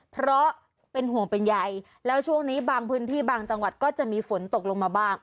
เพราะเป็นห่วงเป็นใยแล้วช่วงนี้บางพื้นที่บางจังหวัดก็จะมีฝนตกลงมาบ้าง